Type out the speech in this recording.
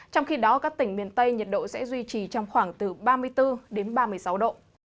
trong khi đó các tỉnh miền tây nhiệt độ sẽ duy trì trong khoảng từ ba mươi bốn đến ba mươi sáu độ